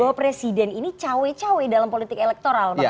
bahwa presiden ini cawe cawe dalam politik elektoral